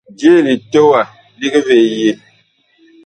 Je litowa lig vee yee ?